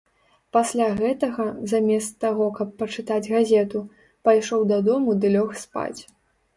Пасля гэтага, замест таго, каб пачытаць газету, пайшоў дадому ды лёг спаць.